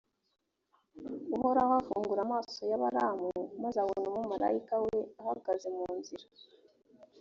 uhoraho afungura amaso ya balamu, maze abona umumalayika we ahagaze mu nzira.